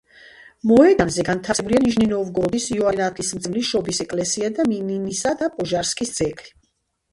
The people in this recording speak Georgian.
მოედანზე განთავსებულია ნიჟნი-ნოვგოროდის იოანე ნათლისმცემლის შობის ეკლესია და მინინისა და პოჟარსკის ძეგლი.